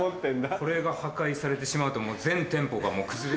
これが破壊されてしまうと全店舗が崩れ。